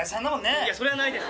いやそれはないです。